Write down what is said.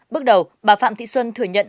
bước đầu bà phạm thị xuân thừa nhận